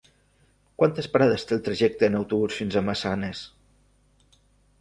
Quantes parades té el trajecte en autobús fins a Massanes?